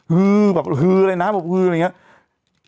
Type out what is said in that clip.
ฮือแบบฮือเลยนะแบบฮืออะไรอย่างนี้